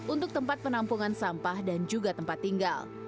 untuk tempat penampungan sampah dan juga tempat tinggal